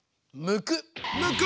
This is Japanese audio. むく！